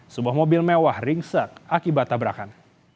sebuah mobil mewah ringsek akibat tabrakan